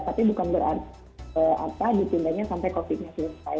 tapi bukan berarti ditindalnya sampai covid sembilan belas selesai